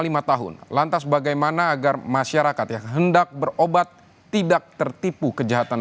lima tahun lantas bagaimana agar masyarakat yang hendak berobat tidak tertipu kejahatan